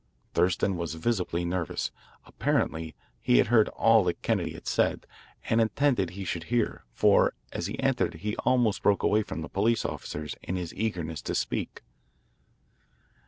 Thurston was visibly nervous. Apparently he had heard all that Kennedy had said and intended he should hear, for as he entered he almost broke away from the police officers in his eagerness to speak.